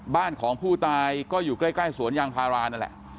บ้านของผู้ตายก็อยู่ใกล้สวนยางพารานั่นแหละ